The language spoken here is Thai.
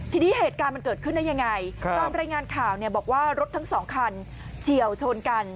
ทีนี้เหตุการณ์มันเกิดขึ้นได้ยังไงตามรายงานข่าวเนี่ยบอกว่ารถทั้งสองคันเฉียวชนกัน